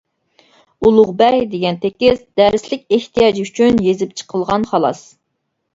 «ئۇلۇغبەگ» دېگەن تېكىست دەرسلىك ئېھتىياجى ئۈچۈن يېزىپ چىقىلغان خالاس.